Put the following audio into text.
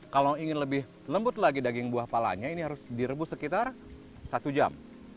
kalau ingin lebih lembut lagi daging buah palanya ini harus direbus sekitar satu jam